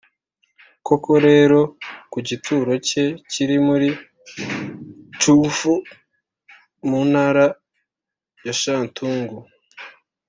koko rero, ku gituro cye kiri muri ch’ü-fou, mu ntara ya shantung